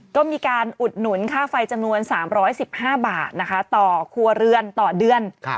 ก็มีการอุดหนุนค่าไฟจำนวน๓๑๕บาทนะคะต่อครัวเรือนต่อเดือน